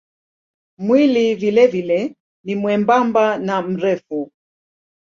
Mwili vilevile ni mwembamba na mrefu.